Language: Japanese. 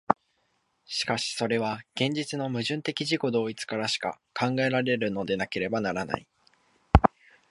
しかしそれは現実の矛盾的自己同一からしか考えられるのでなければならない。